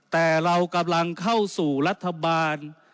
แต่เรากำลังเข้าสู่รัฐบาล